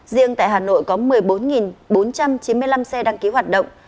riêng tại hà nội có một mươi bốn bốn trăm chín mươi năm xe đăng ký hoạt động